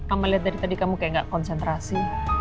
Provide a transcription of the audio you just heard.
ama liat dari tadi kamu kayak gak konsentrasi